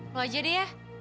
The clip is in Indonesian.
lu aja deh ya